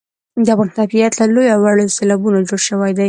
د افغانستان طبیعت له لویو او وړو سیلابونو جوړ شوی دی.